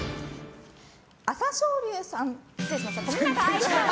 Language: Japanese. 朝青龍さん。